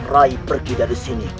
rai pergi dari sini